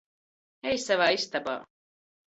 Ej savā istabā.